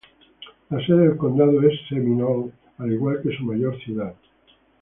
La sede del condado es Seminole, al igual que su mayor ciudad.